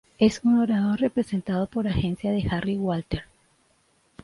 Es un orador, representado por Agencia de Harry Walter.